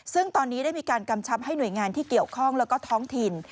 ซึ่งตอนนี้ได้มีการกำชับให้หน่วยงานที่เกี่ยวข้องแล้วก็ท้องถิ่น